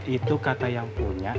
itu kata yang punya